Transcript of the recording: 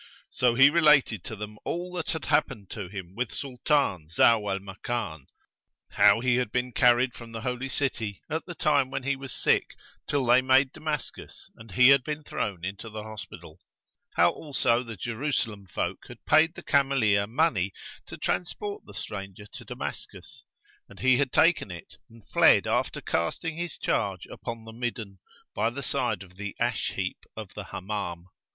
So he related to them all that had happened to him with Sultan Zau al Makan; how he had been carried from the Holy City, at the time when he was sick, till they made Damascus and he had been thrown into the hospital; how also the Jerusalem folk had paid the cameleer money to transport the stranger to Damascus, and he had taken it and fled after casting his charge upon the midden by the side of the ash heap of the Hammam.